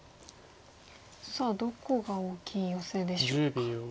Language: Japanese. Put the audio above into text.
さあどこが大きいヨセでしょうか。